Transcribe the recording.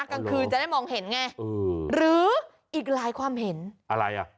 กลางคืนจะได้มองเห็นไงเออหรืออีกหลายความเห็นอะไรอ่ะ